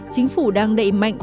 chính phủ đang đẩy mạnh